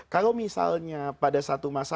kalau misalnya pada satu masa